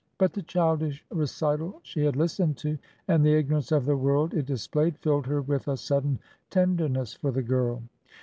But the childish recital she had listened to, and the ignorance of the world it displayed, filled her with a sudden tenderness for the girl.